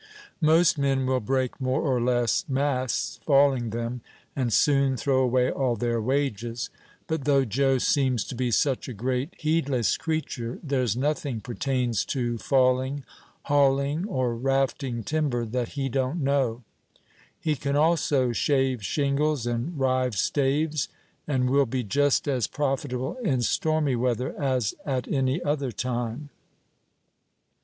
Most men will break more or less masts, falling them, and soon throw away all their wages; but though Joe seems to be such a great heedless creature, there's nothing pertains to falling, hauling, or rafting timber, that he don't know; he can also shave shingles and rive staves, and will be just as profitable in stormy weather as at any other time."